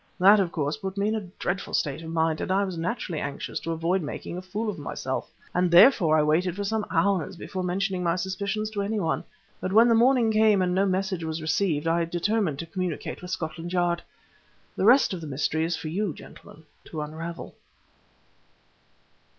That of course put me in a dreadful state of mind, but I was naturally anxious to avoid making a fool of myself and therefore I waited for some hours before mentioning my suspicions to any one. But when the morning came and no message was received I determined to communicate with Scotland Yard. The rest of the mystery it is for you, gentlemen, to unravel."